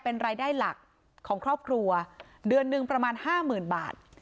เป็นรายได้หลักของครอบครัวเดือนหนึ่งประมาณห้าหมื่นบาท